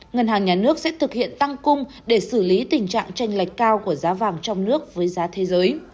ngân hàng nhà nước sẽ thực hiện tăng cung để xử lý tình trạng tranh lệch cao của giá vàng trong nước với giá thế giới